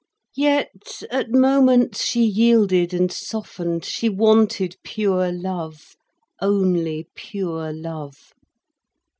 Yet, at moments, she yielded and softened, she wanted pure love, only pure love.